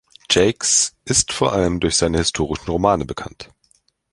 Jakes ist vor allem durch seine historischen Romane bekannt.